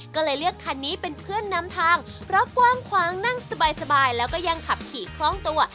ก็เลยเลือกคันนี้เป็นเพื่อนนำทางเพราะกว้างขวางนั่งสบายแล้วก็ยังขับขี่คล่องตัว